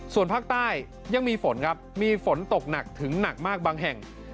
ส่วนภาคใต้ยังมีฝนครับมีฝนตกหนักถึงหนักมากบางแห่ง